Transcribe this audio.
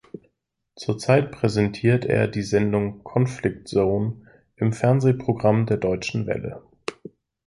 Zurzeit präsentiert er die Sendung "Conflict Zone" im Fernsehprogramm der Deutschen Welle.